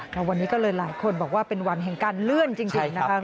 แล้ววันนี้ก็เลยหลายคนบอกว่าเป็นวันแห่งการเลื่อนจริงนะคะ